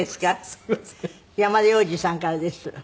山田洋次さんからです。